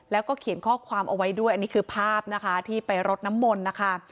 แล้วก็เขียนข้อความเอาไว้ด้วยอันนี้คือภาพนะคะที่ไปรดน้ำมนต์นะคะ